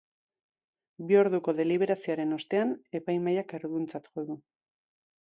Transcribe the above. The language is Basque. Bi orduko deliberazioaren ostean, epaimahaiak erruduntzat jo du.